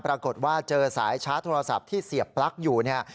ปรากฏว่าเจอสายชาร์จโทรศัพท์ที่เสียบปลั๊กอยู่เนี่ย